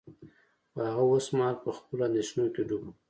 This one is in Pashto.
خو هغه اوس مهال په خپلو اندیښنو کې ډوب و